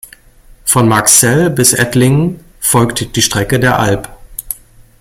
Von Marxzell bis Ettlingen folgt die Strecke der Alb.